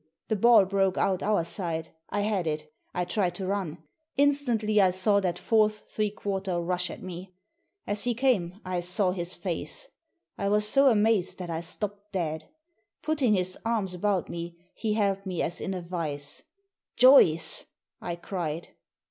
The ball broke out our side. I had it I tried to run. Instantly I saw that fourth three quarter rush at me. As he came I saw his face. I was so amazed that I Digitized by VjOOQIC THE FIFTEENTH MAN 157 stopped dead. Putting his arms about me he held me as in a vice. "Joyce!" I cried.